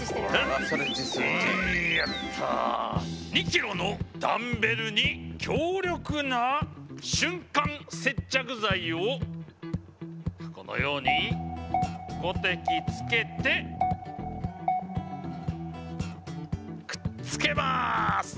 ２キロのダンベルに強力な瞬間接着剤をこのように５滴つけてくっつけます。